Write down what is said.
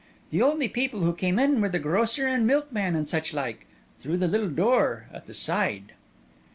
The only people who come in were the grocer and milk man and such like, through the little door at the side."